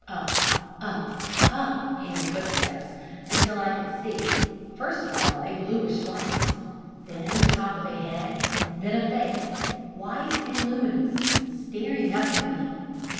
Up, up, up came the footsteps, until I could see first of all a bluish light, then the top of a head, then a face, white and luminous, staring up at me.